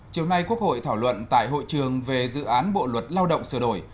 chiều nay quốc hội thảo luận tại hội trường về dự án bộ luật lao động sửa đổi